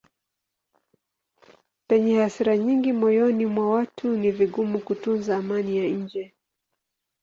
Penye hasira nyingi moyoni mwa watu ni vigumu kutunza amani ya nje.